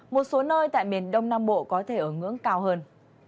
một số nơi tại miền đông nam bộ có thể ở ngưỡng cao hơn